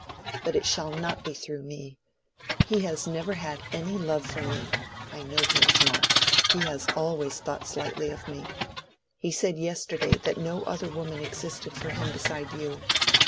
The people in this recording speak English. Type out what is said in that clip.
But it shall not be through me. He has never had any love for me—I know he has not—he has always thought slightly of me. He said yesterday that no other woman existed for him beside you.